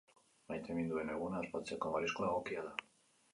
Maiteminduen eguna ospatzeko mariskoa egokia da.